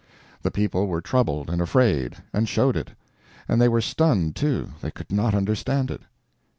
The people were troubled and afraid, and showed it. And they were stunned, too; they could not understand it.